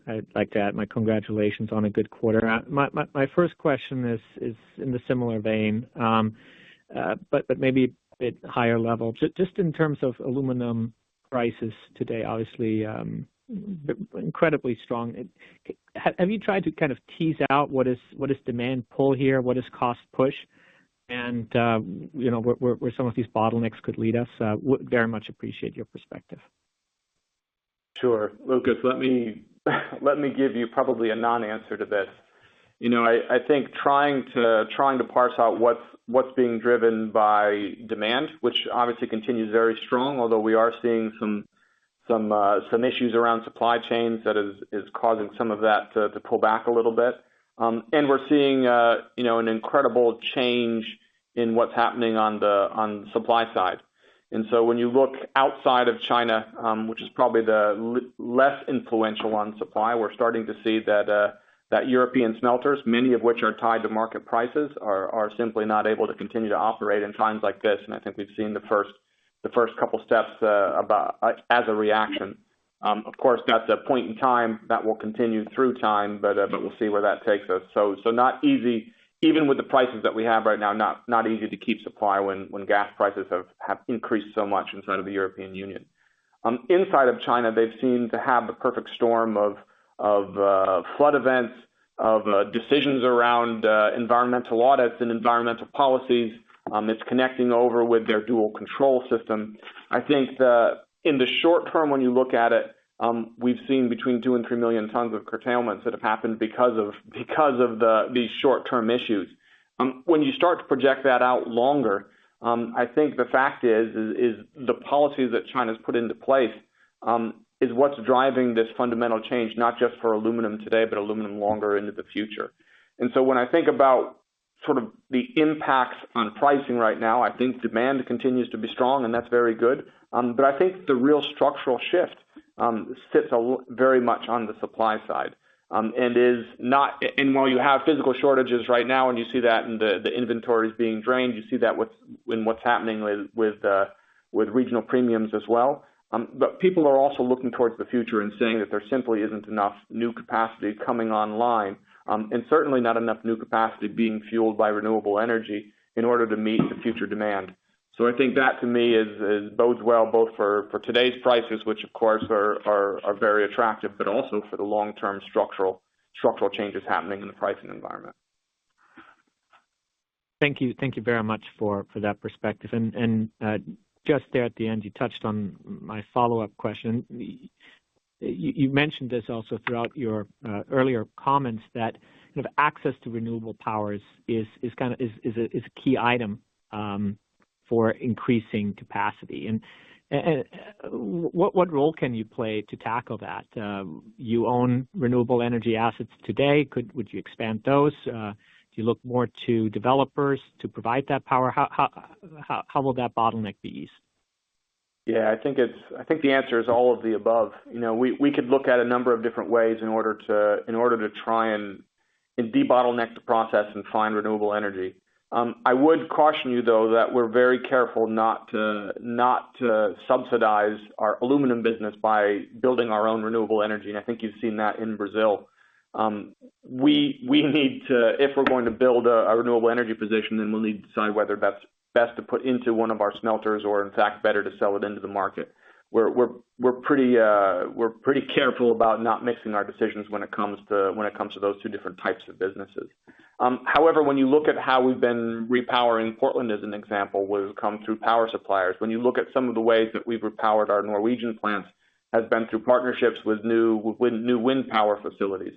I'd like to add my congratulations on a good quarter. My first question is in the similar vein, but maybe a bit higher level. Just in terms of aluminum prices today, obviously incredibly strong. Have you tried to kind of tease out what is demand pull here? What is cost push? Where some of these bottlenecks could lead us? Would very much appreciate your perspective. Sure. Lucas, let me give you probably a non-answer to this. I think trying to parse out what's being driven by demand, which obviously continues very strong, although we are seeing some issues around supply chains that is causing some of that to pull back a little bit. We're seeing an incredible change in what's happening on the supply side. When you look outside of China, which is probably the less influential on supply, we're starting to see that European smelters, many of which are tied to market prices, are simply not able to continue to operate in times like this, and I think we've seen the first couple steps as a reaction. Of course, that's a point in time that will continue through time, but we'll see where that takes us. Not easy, even with the prices that we have right now, not easy to keep supply when gas prices have increased so much inside of the European Union. Inside of China, they've seemed to have the perfect storm of flood events, of decisions around environmental audits and environmental policies. It's connecting over with their dual control system. I think that in the short term, when you look at it, we've seen between 2 million and 3 million tons of curtailments that have happened because of these short-term issues. When you start to project that out longer, I think the fact is, the policies that China's put into place is what's driving this fundamental change, not just for aluminum today, but aluminum longer into the future. When I think about sort of the impacts on pricing right now, I think demand continues to be strong, and that's very good. I think the real structural shift sits very much on the supply side. While you have physical shortages right now, and you see that in the inventories being drained, you see that in what's happening with regional premiums as well. People are also looking towards the future and seeing that there simply isn't enough new capacity coming online. Certainly not enough new capacity being fueled by renewable energy in order to meet the future demand. I think that, to me, bodes well both for today's prices, which of course are very attractive, but also for the long-term structural changes happening in the pricing environment. Thank you. Thank you very much for that perspective. Just there at the end, you touched on my follow-up question. You mentioned this also throughout your earlier comments that access to renewable power is a key item for increasing capacity. What role can you play to tackle that? You own renewable energy assets today, would you expand those? Do you look more to developers to provide that power? How will that bottleneck be eased? I think the answer is all of the above. We could look at a number of different ways in order to try and de-bottleneck the process and find renewable energy. I would caution you, though, that we're very careful not to subsidize our aluminum business by building our own renewable energy, and I think you've seen that in Brazil. If we're going to build a renewable energy position, then we'll need to decide whether that's best to put into one of our smelters or, in fact, better to sell it into the market. We're pretty careful about not mixing our decisions when it comes to those two different types of businesses. When you look at how we've been repowering Portland, as an example, would have come through power suppliers. When you look at some of the ways that we've repowered our Norwegian plants, has been through partnerships with new wind power facilities.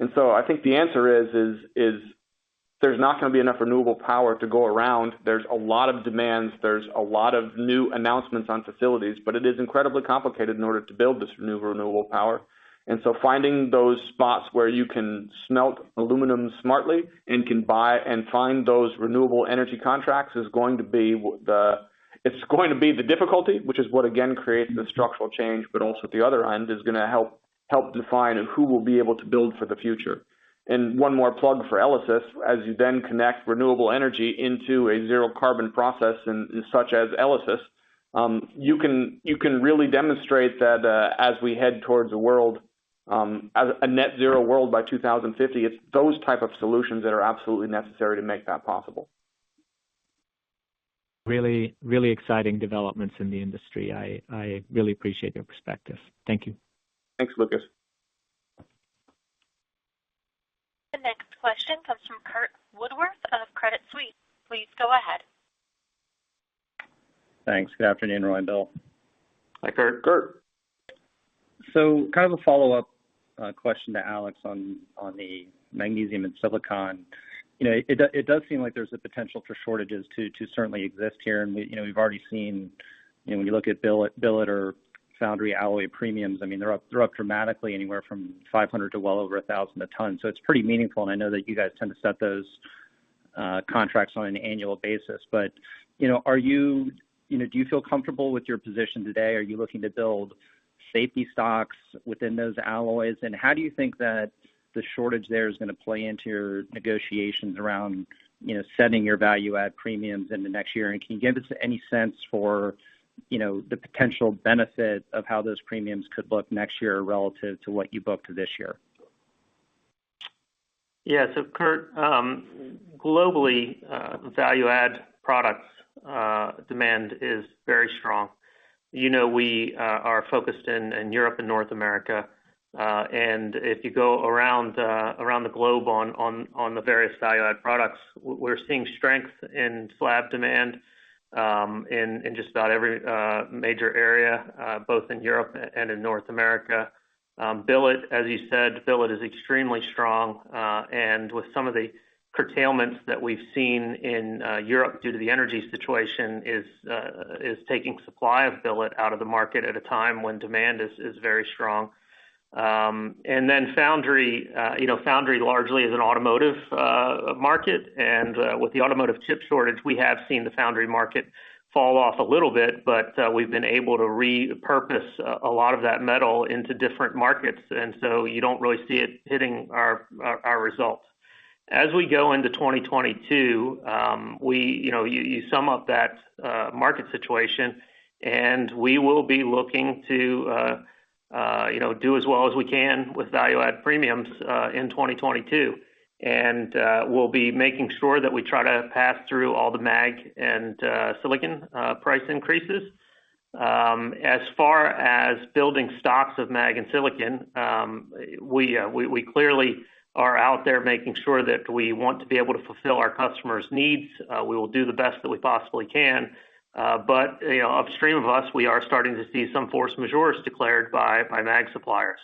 I think the answer is, there's not going to be enough renewable power to go around. There's a lot of demands, there's a lot of new announcements on facilities, but it is incredibly complicated in order to build this new renewable power. Finding those spots where you can smelt aluminum smartly and can buy and find those renewable energy contracts, it's going to be the difficulty, which is what, again, creates the structural change, but also at the other end, is going to help define who will be able to build for the future. One more plug for ELYSIS, as you then connect renewable energy into a zero-carbon process in such as ELYSIS, you can really demonstrate that as we head towards a net zero world by 2050, it's those type of solutions that are absolutely necessary to make that possible. Really exciting developments in the industry. I really appreciate your perspective. Thank you. Thanks, Lucas. The next question comes from Curt Woodworth of Credit Suisse. Please go ahead. Thanks. Good afternoon, Roy and Bill. Hi, Curt. Curt. Kind of a follow-up question to Alex on the magnesium and silicon. It does seem like there's a potential for shortages to certainly exist here, and we've already seen when you look at billet or foundry alloy premiums, I mean, they're up dramatically anywhere from $500 to well over $1,000 a ton. It's pretty meaningful, and I know that you guys tend to set those contracts on an annual basis. Do you feel comfortable with your position today? Are you looking to build safety stocks within those alloys? How do you think that the shortage there is going to play into your negotiations around setting your value-add premiums in the next year? Can you give us any sense for the potential benefit of how those premiums could look next year relative to what you booked this year? Yeah, Curt, globally, value-add products demand is very strong. We are focused in Europe and North America, if you go around the globe on the various value-add products, we're seeing strength in slab demand in just about every major area, both in Europe and in North America. Billet, as you said, billet is extremely strong, with some of the curtailments that we've seen in Europe due to the energy situation, is taking supply of billet out of the market at a time when demand is very strong. Foundry, foundry largely is an automotive market, with the automotive chip shortage, we have seen the foundry market fall off a little bit, we've been able to repurpose a lot of that metal into different markets. You don't really see it hitting our results. As we go into 2022, you sum up that market situation, we will be looking to do as well as we can with value-add premiums in 2022. We'll be making sure that we try to pass through all the mag and silicon price increases. As far as building stocks of mag and silicon, we clearly are out there making sure that we want to be able to fulfill our customers' needs. We will do the best that we possibly can. Upstream of us, we are starting to see some force majeure declared by mag suppliers.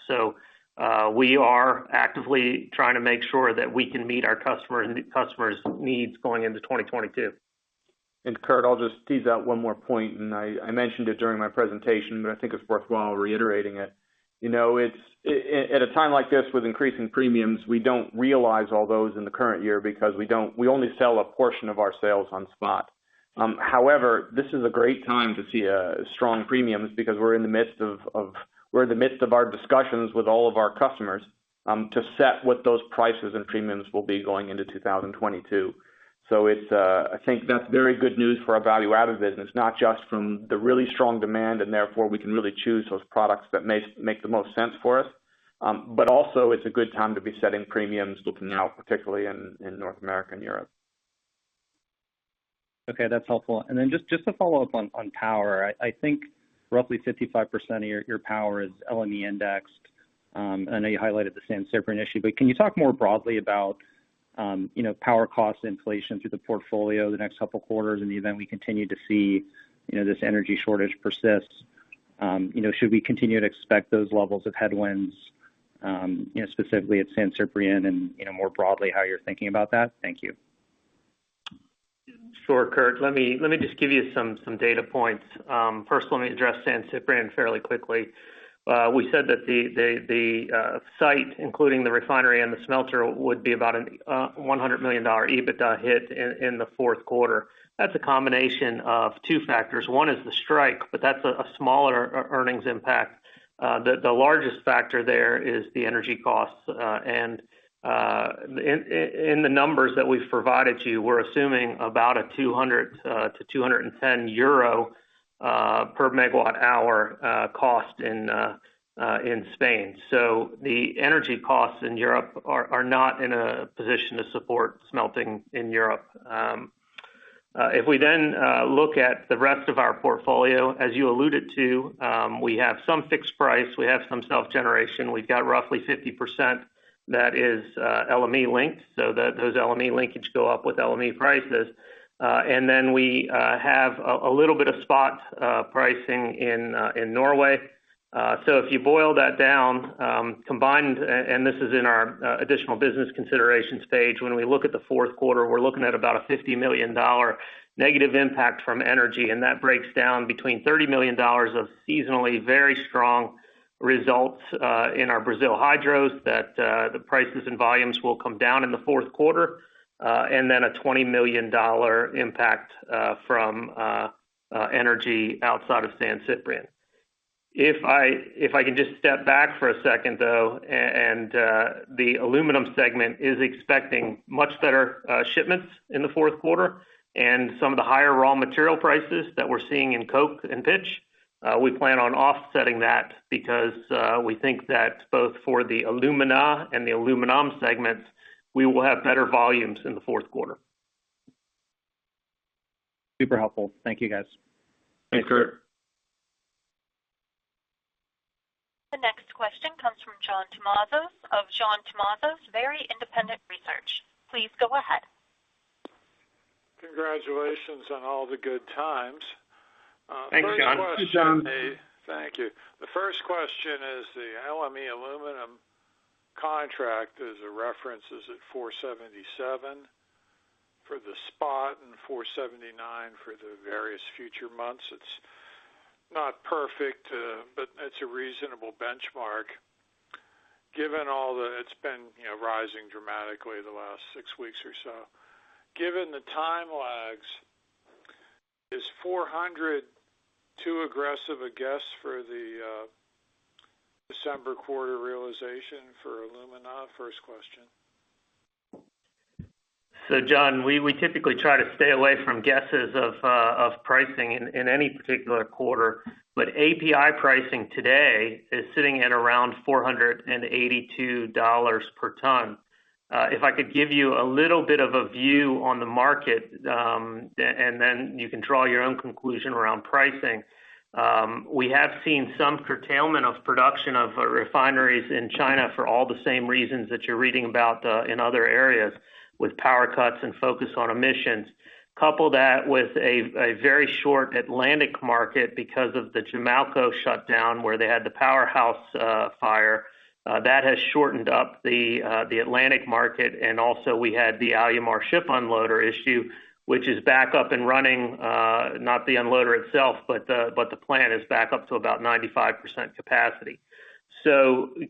We are actively trying to make sure that we can meet our customers' needs going into 2022. Curt, I'll just tease out one more point, and I mentioned it during my presentation, but I think it's worthwhile reiterating it. At a time like this with increasing premiums, we don't realize all those in the current year because we only sell a portion of our sales on spot. However, this is a great time to see strong premiums because we're in the midst of our discussions with all of our customers to set what those prices and premiums will be going into 2022. I think that's very good news for our value-added business, not just from the really strong demand, and therefore, we can really choose those products that make the most sense for us. Also, it's a good time to be setting premiums looking out, particularly in North America and Europe. Okay. That's helpful. Just to follow up on power. I think roughly 55% of your power is LME indexed. I know you highlighted the San Ciprián issue, can you talk more broadly about power cost inflation through the portfolio the next couple of quarters? In the event we continue to see this energy shortage persist, should we continue to expect those levels of headwinds, specifically at San Ciprián and more broadly how you're thinking about that? Thank you. Sure, Curt. Let me just give you some data points. Let me address San Ciprián fairly quickly. We said that the site, including the refinery and the smelter, would be about a $100 million EBITDA hit in the fourth quarter. That's a combination of two factors. One is the strike, but that's a smaller earnings impact. The largest factor there is the energy costs. In the numbers that we've provided to you, we're assuming about a €200-€210 per megawatt hour cost in Spain. The energy costs in Europe are not in a position to support smelting in Europe. If we look at the rest of our portfolio, as you alluded to, we have some fixed price, we have some self-generation. We've got roughly 50% that is LME linked, those LME linkage go up with LME prices. We have a little bit of spot pricing in Norway. If you boil that down, combined, and this is in our additional business considerations page, when we look at the fourth quarter, we're looking at about a $50 million negative impact from energy, and that breaks down between $30 million of seasonally very strong results in our Brazil Hydros that the prices and volumes will come down in the fourth quarter. A $20 million impact from energy outside of San Ciprián. If I can just step back for a second, though, and the aluminum segment is expecting much better shipments in the fourth quarter and some of the higher raw material prices that we're seeing in coke and pitch, we plan on offsetting that because we think that both for the alumina and the aluminum segments, we will have better volumes in the fourth quarter. Super helpful. Thank you, guys. Thanks, Curt. The next question comes from John Tumazos of John Tumazos Very Independent Research. Please go ahead. Congratulations on all the good times. Thanks, John. Thanks, John. Thank you. The first question is the LME aluminum contract as a reference is at $477 for the spot and $479 for the various future months. It's not perfect, but it's a reasonable benchmark. It's been rising dramatically the last six weeks or so. Given the time lags, is $400 too aggressive a guess for the December quarter realization for alumina? First question. John, we typically try to stay away from guesses of pricing in any particular quarter, but API pricing today is sitting at around $482 per ton. If I could give you a little bit of a view on the market, and then you can draw your own conclusion around pricing. We have seen some curtailment of production of refineries in China for all the same reasons that you're reading about in other areas with power cuts and focus on emissions. Couple that with a very short Atlantic market because of the Jamalco shutdown, where they had the powerhouse fire. That has shortened up the Atlantic market, and also we had the Alumar ship unloader issue, which is back up and running, not the unloader itself, but the plant is back up to about 95% capacity.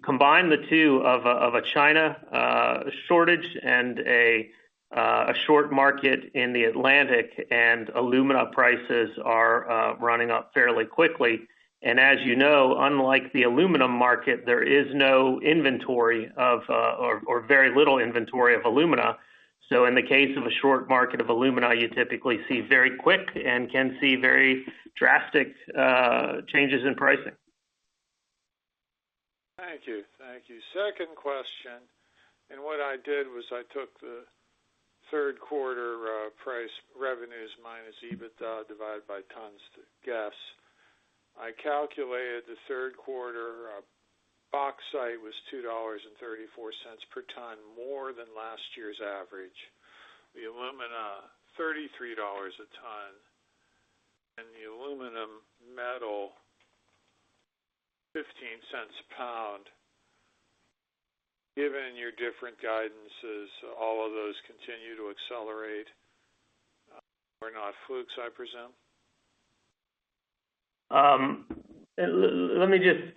Combine the two of a China shortage and a short market in the Atlantic, alumina prices are running up fairly quickly. As you know, unlike the aluminum market, there is no inventory or very little inventory of alumina. In the case of a short market of alumina, you typically see very quick and can see very drastic changes in pricing. Thank you. Second question, what I did was I took the third quarter price revenues minus EBITDA divided by tons to guess. I calculated the third quarter bauxite was $2.34 per ton more than last year's average. The alumina, $33 a ton, and the aluminum metal, $0.15 a pound. Given your different guidances, all of those continue to accelerate, are not flukes, I presume? Let me just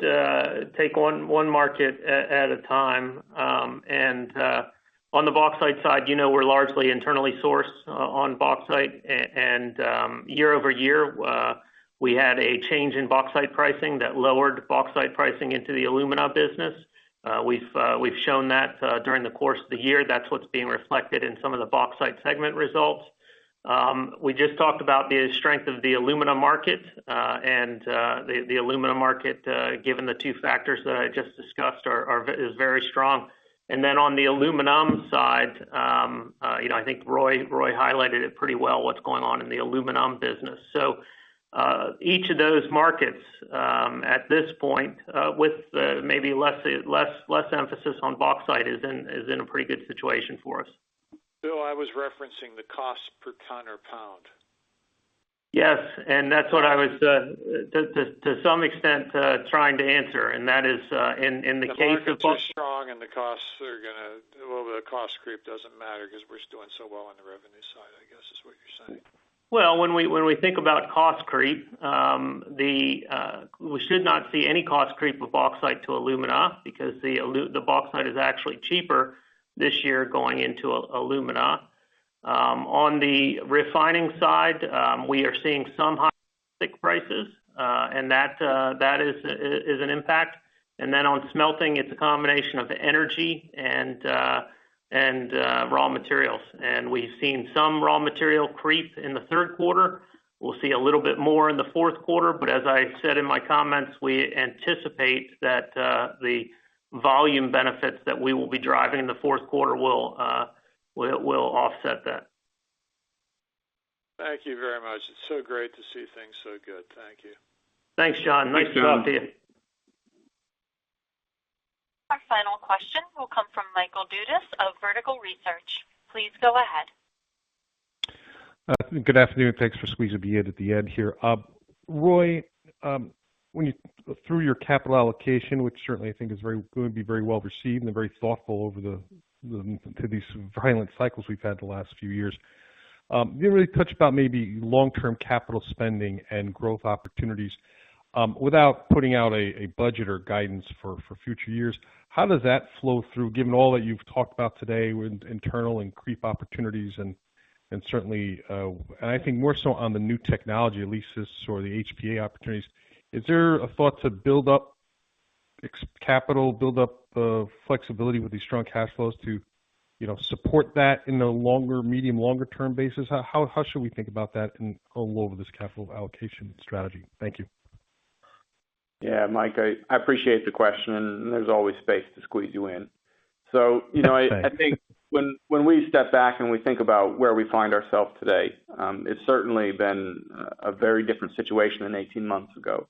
take one market at a time. On the bauxite side, we're largely internally sourced on bauxite, and year-over-year, we had a change in bauxite pricing that lowered bauxite pricing into the alumina business. We've shown that during the course of the year. That's what's being reflected in some of the bauxite segment results. We just talked about the strength of the alumina market, and the alumina market, given the two factors that I just discussed, is very strong. On the aluminum side, I think Roy highlighted it pretty well what's going on in the aluminum business. Each of those markets at this point, with maybe less emphasis on bauxite, is in a pretty good situation for us. Bill, I was referencing the cost per ton or pound. Yes, and that's what I was, to some extent, trying to answer. The market is strong, and a little bit of cost creep doesn't matter because we're just doing so well on the revenue side, I guess is what you're saying. When we think about cost creep, we should not see any cost creep with bauxite to alumina because the bauxite is actually cheaper this year going into alumina. On the refining side, we are seeing some high caustic prices, and that is an impact. Then on smelting, it's a combination of the energy and raw materials. We've seen some raw material creep in the third quarter. We'll see a little bit more in the fourth quarter, but as I said in my comments, we anticipate that the volume benefits that we will be driving in the fourth quarter will offset that. Thank you very much. It's so great to see things so good. Thank you. Thanks, John. Nice to talk to you. Thank you. Our final question will come from Michael Dudas of Vertical Research. Please go ahead. Good afternoon. Thanks for squeezing me in at the end here. Roy, through your capital allocation, which certainly I think is going to be very well received and very thoughtful over these violent cycles we've had the last few years. You didn't really touch about maybe long-term capital spending and growth opportunities without putting out a budget or guidance for future years. How does that flow through, given all that you've talked about today with internal and creep opportunities, and I think more so on the new technology, ELYSIS, or the HPA opportunities. Is there a thought to build up capital, build up flexibility with these strong cash flows to support that in a medium, longer-term basis? How should we think about that in a world of this capital allocation strategy? Thank you. Yeah, Michael, I appreciate the question. There's always space to squeeze you in. Thanks. I think when we step back and we think about where we find ourselves today, it's certainly been a very different situation than 18 months ago.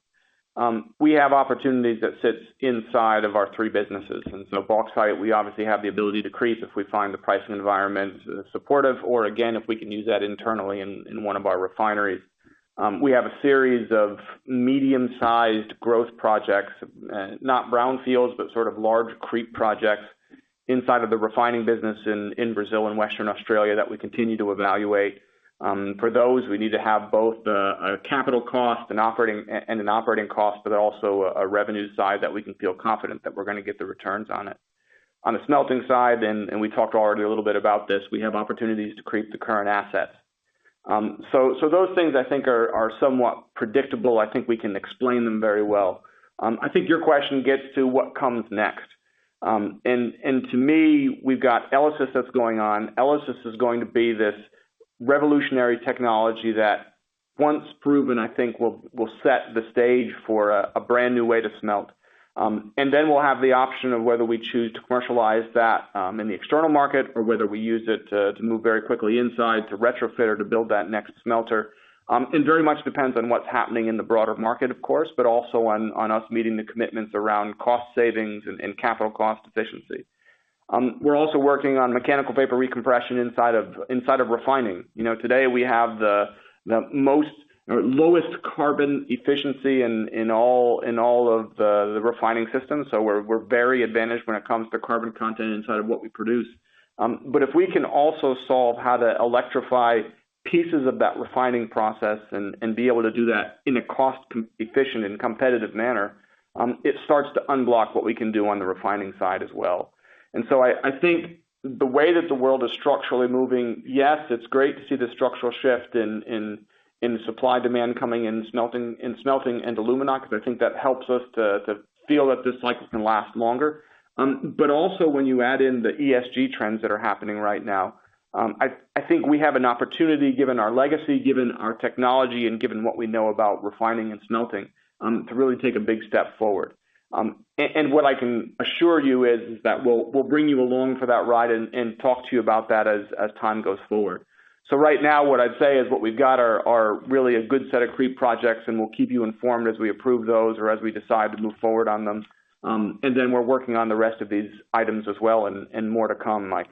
We have opportunities that sit inside of our three businesses, bauxite, we obviously have the ability to increase if we find the pricing environment supportive, or again, if we can use that internally in one of our refineries. We have a series of medium-sized growth projects, not brownfields, but sort of large creep projects inside of the refining business in Brazil and Western Australia that we continue to evaluate. For those, we need to have both a capital cost and an operating cost, but also a revenue side that we can feel confident that we're going to get the returns on it. On the smelting side, we talked already a little bit about this, we have opportunities to create the current assets. Those things I think are somewhat predictable. I think we can explain them very well. I think your question gets to what comes next. To me, we've got ELYSIS that's going on. ELYSIS is going to be this revolutionary technology that once proven, I think will set the stage for a brand new way to smelt. We'll have the option of whether we choose to commercialize that in the external market, or whether we use it to move very quickly inside to retrofit or to build that next smelter. It very much depends on what's happening in the broader market, of course, but also on us meeting the commitments around cost savings and capital cost efficiency. We're also working on mechanical vapor recompression inside of refining. Today, we have the lowest carbon efficiency in all of the refining systems, so we're very advantaged when it comes to carbon content inside of what we produce. If we can also solve how to electrify pieces of that refining process and be able to do that in a cost-efficient and competitive manner, it starts to unblock what we can do on the refining side as well. I think the way that the world is structurally moving, yes, it's great to see the structural shift in the supply-demand coming in smelting and alumina, because I think that helps us to feel that this cycle can last longer. Also when you add in the ESG trends that are happening right now, I think we have an opportunity, given our legacy, given our technology, and given what we know about refining and smelting, to really take a big step forward. What I can assure you is that we'll bring you along for that ride and talk to you about that as time goes forward. Right now, what I'd say is what we've got are really a good set of creep projects, and we'll keep you informed as we approve those or as we decide to move forward on them. Then we're working on the rest of these items as well, and more to come, Mike.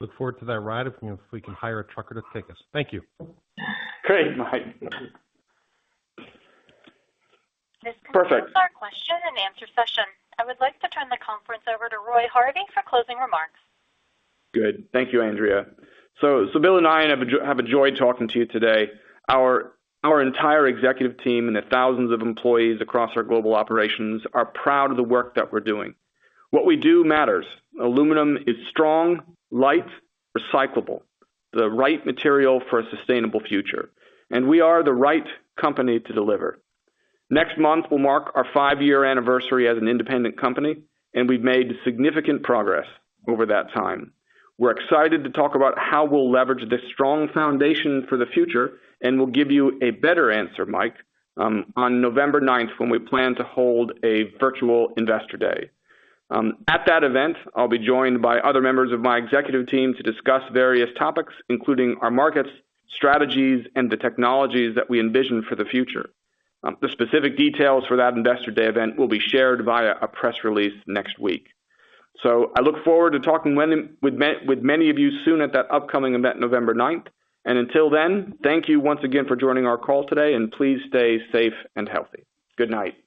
Look forward to that ride if we can hire a trucker to take us. Thank you. Great, Michael. Perfect. This concludes our question and answer session. I would like to turn the conference over to Roy Harvey for closing remarks. Good. Thank you, Andrea. Bill and I have enjoyed talking to you today. Our entire executive team and the thousands of employees across our global operations are proud of the work that we're doing. What we do matters. aluminum is strong, light, recyclable, the right material for a sustainable future, and we are the right company to deliver. Next month will mark our five-year anniversary as an independent company, and we've made significant progress over that time. We're excited to talk about how we'll leverage this strong foundation for the future, and we'll give you a better answer, Mike, on November 9th, when we plan to hold a virtual investor day. At that event, I'll be joined by other members of my executive team to discuss various topics, including our markets, strategies, and the technologies that we envision for the future. The specific details for that investor day event will be shared via a press release next week. I look forward to talking with many of you soon at that upcoming event November 9th. Until then, thank you once again for joining our call today, and please stay safe and healthy. Good night.